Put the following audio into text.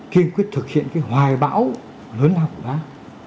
khi quyết thực hiện cái hoài bão lớn lao của bác